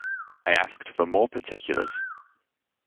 I asked for more particulars.